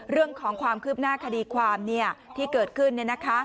เรื่องของความคืบหน้าคดีความที่เกิดขึ้น